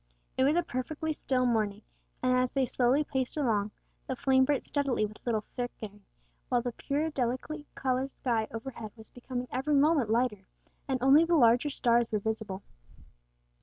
It was a perfectly still morning, and as they slowly paced along, the flame burnt steadily with little flickering, while the pure, delicately coloured sky overhead was becoming every moment lighter, and only the larger stars were visible.